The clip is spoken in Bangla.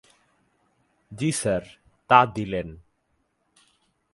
জ্বি স্যার, তা দিলেন।